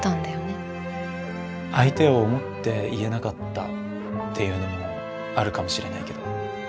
相手を思って言えなかったっていうのもあるかもしれないけど。